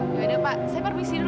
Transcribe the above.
yaudah pak saya permisi dulu ya